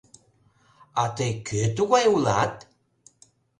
— А тый кӧ тугай улат?